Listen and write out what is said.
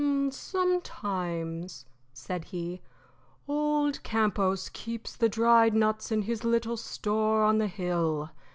"Sometimes," said he, "old Campos keeps the dried nuts in his little store on the hill.